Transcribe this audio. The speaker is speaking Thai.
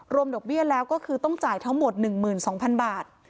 ดอกเบี้ยแล้วก็คือต้องจ่ายทั้งหมด๑๒๐๐๐บาท